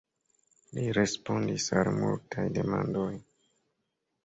Li respondis al multaj demandoj.